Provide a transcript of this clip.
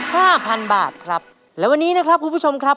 ห้าพันบาทครับและวันนี้นะครับคุณผู้ชมครับ